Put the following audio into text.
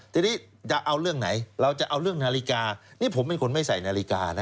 ทีนี้จะเอาเรื่องไหนเราจะเอาเรื่องนาฬิกานี่ผมเป็นคนไม่ใส่นาฬิกานะ